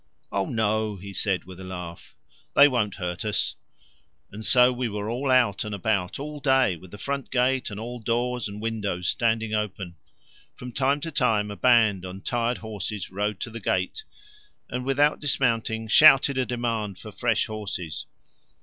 "Oh no," he said, with a laugh, "they won't hurt us," and so we were all out and about all day with the front gate and all doors and windows standing open. From time to time a band on tired horses rode to the gate and, without dismounting, shouted a demand for fresh horses.